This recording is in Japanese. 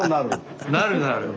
なるなる。